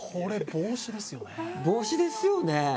帽子ですよね？